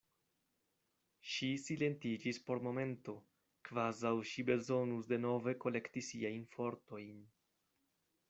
Ŝi silentiĝis por momento, kvazaŭ ŝi bezonus denove kolekti siajn fortojn.